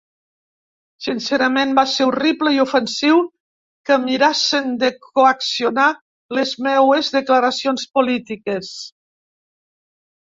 Sincerament, va ser horrible i ofensiu que mirassen de coaccionar les meues declaracions polítiques.